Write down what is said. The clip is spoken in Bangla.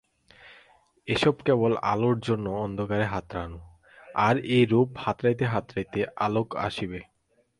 এ-সব কেবল আলোর জন্য অন্ধকারে হাতড়ানো, আর ঐরূপ হাতড়াইতে হাতড়াইতে আলোক আসিবে।